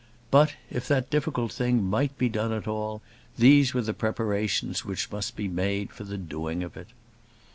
But, if that difficult thing might be done at all, these were the preparations which must be made for the doing of it.